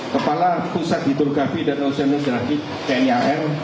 kepala pusat hidrografi dan nusantara tni ar